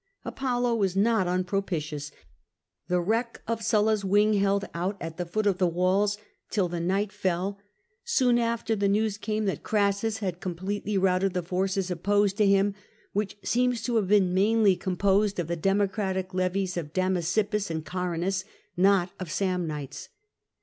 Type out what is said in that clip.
Apollo was not unpropitious : the wreck of Sulla's wing held out at the foot of the walls till the night fell : soon after the news came that Crassus had completely routed the force opposed to him, which seems to have been mainly composed of the Democratic levies of Damasippus and Carrinas, not of Samnites.